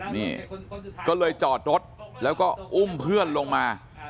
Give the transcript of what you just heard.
นี่ก็เลยจอดรถแล้วก็อุ้มเพื่อนลงมา